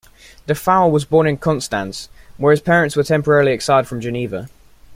Dufour was born in Konstanz, where his parents were temporarily exiled from Geneva.